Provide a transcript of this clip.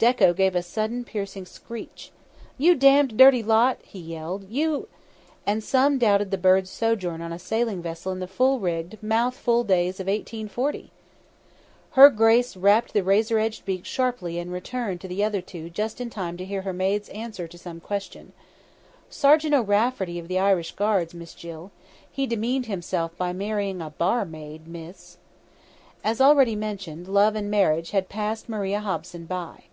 Dekko gave a sudden piercing screech: "You damned, dirty lot!" he yelled. "You " And some doubted the bird's sojourn on a sailing vessel in the full rigged, full mouthed days of 1840! Her grace rapped the razor edged beak sharply and returned to the other two just in time to hear her maid's answer to some question: "Sergeant O'Rafferty of the Irish Guards, Miss Jill. He demeaned himself by marrying a _bar_maid, miss." As already mentioned, love and marriage had passed Maria Hobson by.